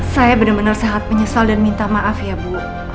saya benar benar sangat menyesal dan minta maaf ya bu